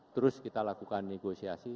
terus kita lakukan negosiasi